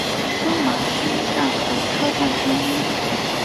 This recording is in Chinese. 圣马丁站的车站之一。